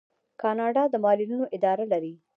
کاناډا د معلولینو اداره لري.